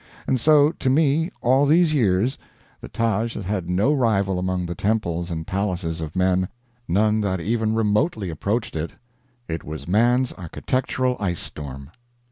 And so, to me, all these years, the Taj has had no rival among the temples and palaces of men, none that even remotely approached it it was man's architectural ice storm.